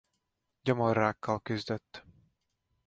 Gyomorrákkal küzdött.